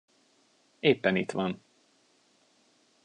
Éppen itt van.